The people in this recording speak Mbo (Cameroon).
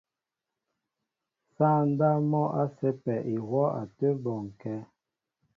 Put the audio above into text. Sááŋ ndáp mɔ́ a sɛ́pɛ ihwɔ́ a tə́ bɔnkɛ́.